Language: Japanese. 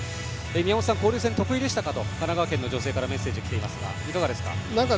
宮本さん、交流戦得意でしたか？と神奈川県の女性からメッセージ来ていますがいかがですか？